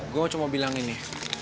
gue cuma bilang ini